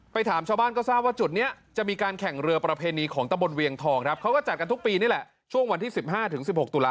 ถามชาวบ้านก็ทราบว่าจุดนี้จะมีการแข่งเรือประเพณีของตะบนเวียงทองครับเขาก็จัดกันทุกปีนี่แหละช่วงวันที่๑๕๑๖ตุลาค